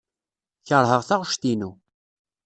Keṛheɣ taɣect-inu.